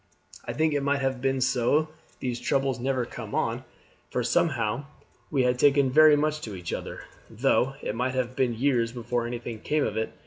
I think it might have been so had these troubles never come on, for somehow we had taken very much to each other, though it might have been years before anything came of it.